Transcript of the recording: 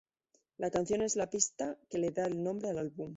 La canción es la pista que le da el nombre al álbum.